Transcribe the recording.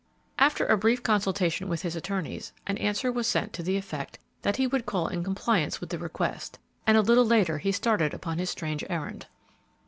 After brief consultation with his attorneys, an answer was sent to the effect that he would call in compliance with the request, and a little later he started upon his strange errand.